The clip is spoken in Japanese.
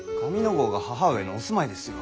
郷が母上のお住まいですよ。